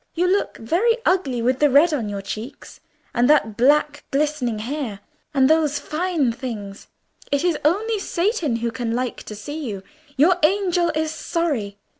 "You look very ugly with the red on your cheeks and that black glistening hair, and those fine things. It is only Satan who can like to see you. Your Angel is sorry.